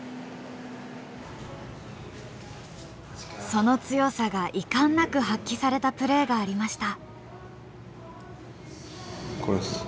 その強さが遺憾なく発揮されたプレーがありました。